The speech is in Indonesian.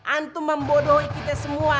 antum membodohi kita semua